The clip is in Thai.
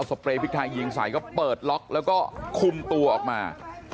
เปรย์พริกไทยยิงใส่ก็เปิดล็อกแล้วก็คุมตัวออกมา